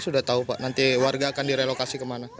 sudah tahu pak nanti warga akan direlokasi ke mana